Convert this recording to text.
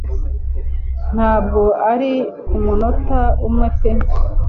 Ntabwo ari kumunota umwe pe